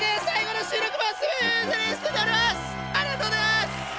ありがとうございます！